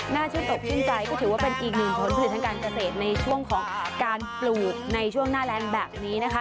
ชื่นอกชื่นใจก็ถือว่าเป็นอีกหนึ่งผลผลิตทางการเกษตรในช่วงของการปลูกในช่วงหน้าแรงแบบนี้นะคะ